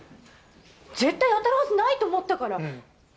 絶対当たるはずないと思ったから。